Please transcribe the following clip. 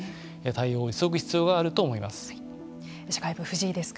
対応を急ぐ必要があると思います。